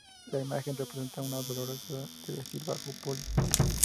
La imagen representa una dolorosa de vestir bajo palio.